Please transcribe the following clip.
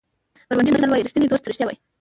بورونډي متل وایي ریښتینی دوست رښتیا وایي.